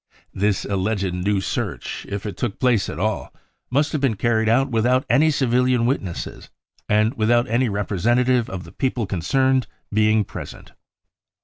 This alleged new search, if it took place at all, must have been carried out without any civilian witnesses and without any representative of the people concerned being present.